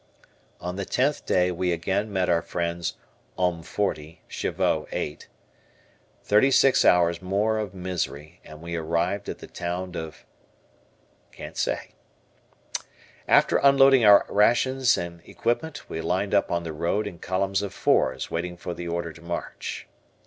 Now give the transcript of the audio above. On the tenth day we again met our friends "Hommes 40, Chevaux 8." Thirty six hours more of misery, and we arrived at the town of F . After unloading our rations and equipment, we lined up on the road in columns of fours waiting for the order to march.